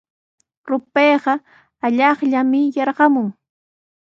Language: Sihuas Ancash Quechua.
Rupayqa allaqllami yarqamun.